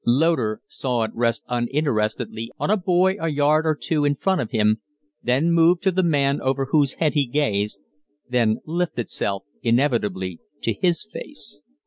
Loder saw it rest uninterestedly on a boy a yard or two in front of him, then move to the man over whose head he gazed, then lift itself inevitably to his face.